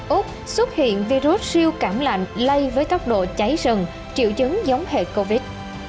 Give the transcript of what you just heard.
úc xuất hiện virus siêu cảm lạnh lây với tốc độ cháy rừng triệu chứng giống hệ covid